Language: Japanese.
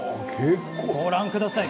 ご覧ください。